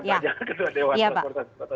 yang pajak ketua dewan transportasi kota jakarta